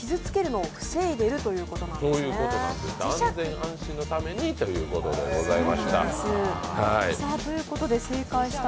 安全安心のためにということでございました。